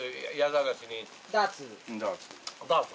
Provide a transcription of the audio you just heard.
ダーツ。